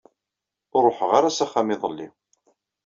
Ur ṛuḥeɣ ara s axxam iḍelli.